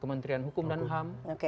kementerian hukum dan ham